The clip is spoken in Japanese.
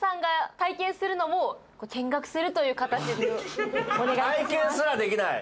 体験すらできない。